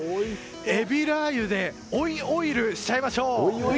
海老ラー油で追いオイルしちゃいましょう！